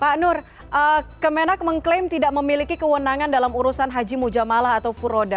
pak nur kemenak mengklaim tidak memiliki kewenangan dalam urusan haji mujamalah atau furoda